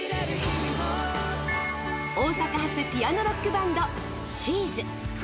大阪発ピアノロックバンドＳＨＥ’Ｓ。